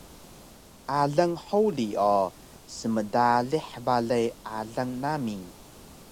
Alang Holi o smdalih balay alang nami